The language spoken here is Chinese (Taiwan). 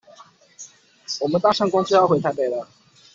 我們搭上公車要回台北了